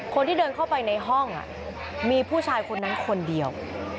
คนที่เดินเข้าไปในห้องมีผู้ชายคนนั้นคนเดียว